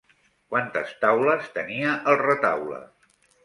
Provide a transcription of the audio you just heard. Quantes taules tenia el retaule?